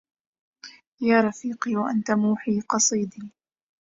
يا رفيقي وأنت موحى قصيدي